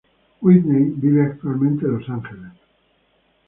Whitney vive actualmente en Los Ángeles.